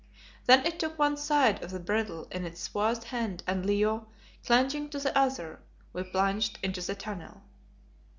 Then it took one side of the bridle in its swathed hand and, Leo clinging to the other, we plunged into the tunnel.